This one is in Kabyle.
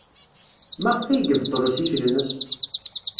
Maɣef ay yebṭel assikel-nnes?